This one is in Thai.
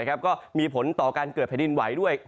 ก็มีผลต่อการเกิดแผ่นดินไหวด้วย